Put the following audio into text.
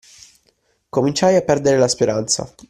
Cominciai a perdere la speranza.